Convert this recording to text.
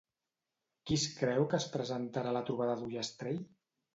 Qui es creu que es presentarà a la trobada d'Ullastrell?